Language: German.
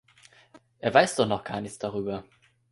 Er weiß doch noch gar nichts darüber.